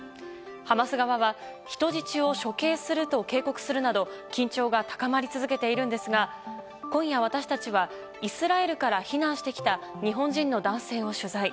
ハマス側は人質を処刑すると警告するなど緊張が高まり続けているんですが今夜、私たちはイスラエルから避難してきた日本人の男性を取材。